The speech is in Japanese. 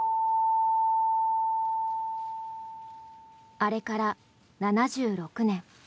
あれから７６年。